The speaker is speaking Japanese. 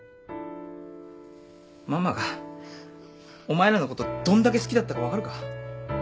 ママがお前らのことどんだけ好きだったか分かるか？